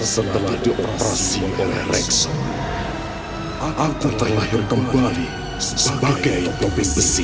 setelah dioperasi oleh rekson aku terlahir kembali sebagai topin besi